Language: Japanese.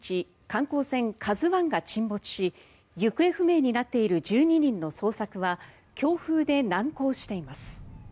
観光船「ＫＡＺＵ１」が沈没し行方不明になっている１２人の捜索は強風で難航しています。